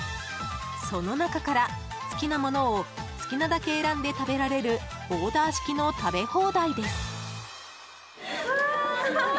その中から、好きなものを好きなだけ選んで食べられるオーダー式の食べ放題です。